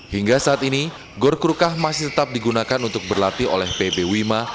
hingga saat ini gor krukah masih tetap digunakan untuk berlatih oleh pb wima